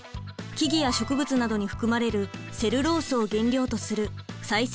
木々や植物などに含まれるセルロースを原料とする再生